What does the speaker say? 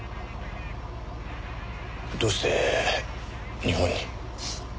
どうして日本に？